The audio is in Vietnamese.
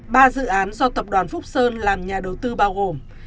ba dự án do tập đoàn phúc sơn làm nhà đầu tư bao gồm